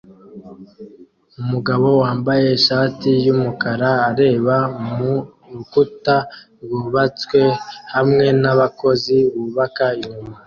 Umugabo wambaye ishati yumukara areba mu rukuta rwubatswe hamwe nabakozi bubaka inyuma